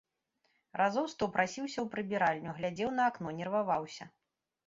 Разоў сто прасіўся ў прыбіральню, глядзеў на акно, нерваваўся.